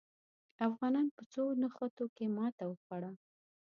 افغانانو په څو نښتو کې ماته وخوړه.